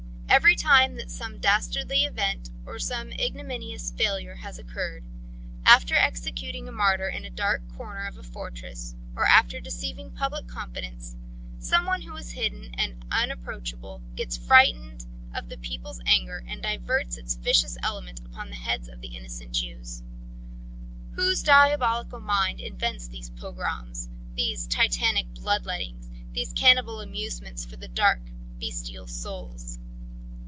Every time that some dastardly event or some ignominious failure has occurred, after executing a martyr in a dark corner of a fortress, or after deceiving public confidence, some one who is hidden and unapproachable gets frightened of the people's anger and diverts its vicious element upon the heads of innocent Jews. Whose diabolical mind invents these pogroms these titanic blood lettings, these cannibal amusements for the dark, bestial souls?